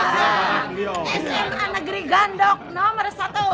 sma negeri gandok nomor satu